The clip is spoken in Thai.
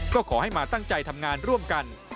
ก็ขอให้มาตั้งใจทำงานร่วมกัน